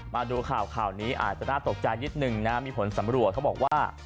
มาดูข่าวข่าวนี้อาจจะน่าตกใจนิดนึงนะมีผลสำรวจเขาบอกว่า